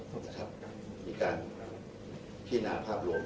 พิจาคและเลิกภาพลวง